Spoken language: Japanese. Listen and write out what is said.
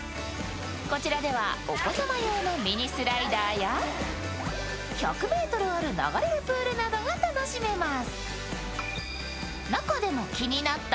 こちらではお子様用のミニスライダーや、１００ｍある流れるプールなどが楽しめます。